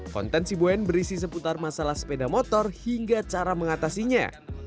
konten si boen berisi seputar masalah sepeda motor hingga cara mengatasinya